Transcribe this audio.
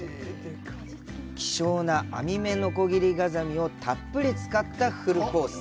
希少なアミメノコギリガザミをたっぷり使ったフルコース。